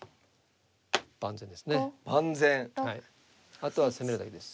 あとは攻めるだけです。